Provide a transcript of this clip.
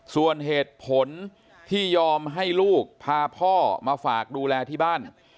ส่วนเหตุผลที่ยอมให้ลูกพาพ่อมาฝากดูแลที่บ้าน